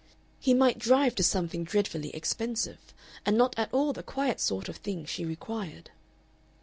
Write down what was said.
He might drive to something dreadfully expensive, and not at all the quiet sort of thing she required.